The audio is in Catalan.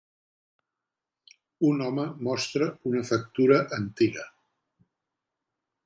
Un home mostra una factura antiga